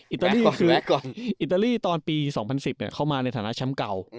อิตาลีก็คืออิตาลีตอนปี๒๐๑๐เข้ามาในฐานะแชมป์เก่า